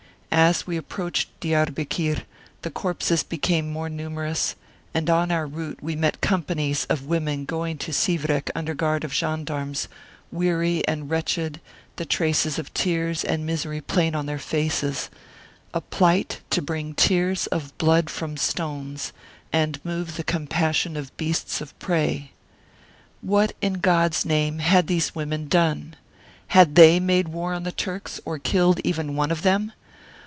As we approached Diarbekir the corpses became more numerous, and on our route we met companies of women going to Sivrek under guard of gendarmes, weary and wretched, the Martyred Armenia 21 traces of tears and misery plain on their faces a plight to bring tears of blood 5.rom stones, and move the compassion of beasts of prey. What, in God's name, had these women done? Had they made war on the Turks, or killed even one of them